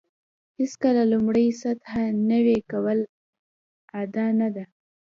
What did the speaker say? هېڅکله لومړۍ سطح نوي کول ادعا نه ده.